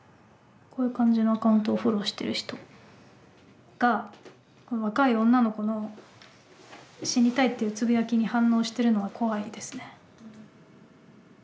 こういう感じのアカウントをフォローしてる人がこの若い女の子の「死にたい」っていうつぶやきに反応してるのが怖いですね。